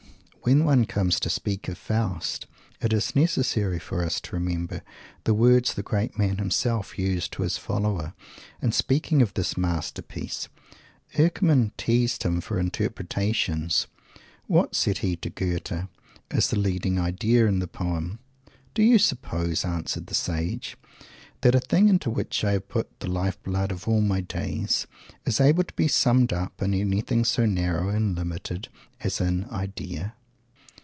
"_ When one comes to speak of Faust, it is necessary for us to remember the words the great man himself used to his follower in speaking of this masterpiece. Eckermann teased him for interpretations. "What," said he to Goethe, "is the leading Idea in the Poem?" "Do you suppose," answered the Sage, "that a thing into which I have put the Life Blood of all my days is able to be summoned up in anything so narrow and limited as an Idea?"